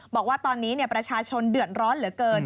บอกว่าตอนนี้ประชาชนเดือดร้อนเหลือเกิน